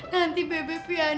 nanti bebe piano sama gue lagi